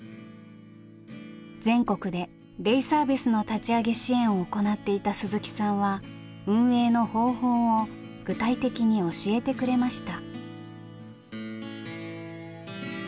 全国でデイサービスの立ち上げ支援を行っていた鈴木さんは運営の方法を具体的に教えてくれました。